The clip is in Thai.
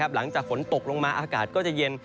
หลังจากฝนตกลงมาอากาศก็จะเย็น